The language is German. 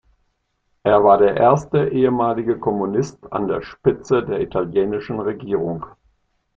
Er war der erste ehemalige Kommunist an der Spitze der italienischen Regierung.